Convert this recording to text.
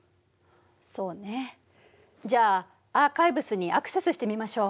そうねじゃあアーカイブスにアクセスしてみましょう。